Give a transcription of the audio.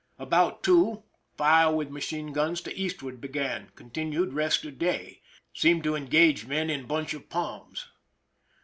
About 2, fire with machine guns to eastward began. Continued rest of day. Seem to engage men in bunch of palms.